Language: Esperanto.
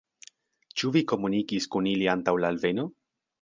Ĉu vi komunikis kun ili antaŭ la alveno?